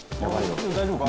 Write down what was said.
「大丈夫か？」